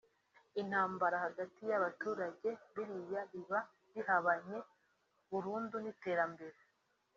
intambara hagati y’abaturage biriya biba bihabanye burundu n’iterambere